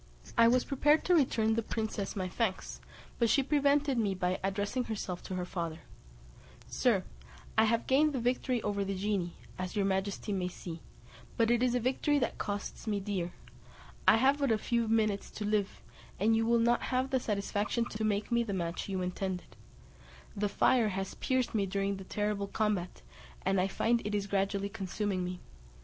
I was prepared to return the princess my thanks, but she prevented me by addressing herself to her father: "Sir, I have gained the victory over the genie, as your majesty may see; but it is a victory that costs me dear; I have but a few minutes to live, and you will not have the satisfaction to make the match you intended; the fire has pierced me during the terrible combat, and I find it is gradually consuming me.